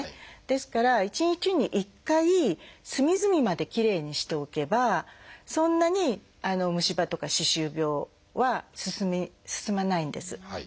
ですから１日に１回隅々まできれいにしておけばそんなに虫歯とか歯周病は進まないんです。